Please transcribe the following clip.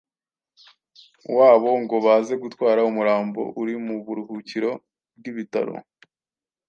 wabo ngo baze gutwara umurambo uri mu buruhukiro bw’ibitaro